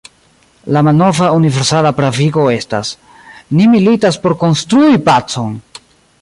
La malnova universala pravigo estas: ni militas por konstrui pacon!